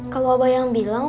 kalau abah yang bilang